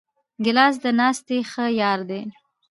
ګیلاس د ناستې ښه یار دی.